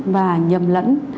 và nhầm lẫn